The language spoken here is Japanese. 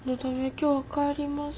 今日は帰ります。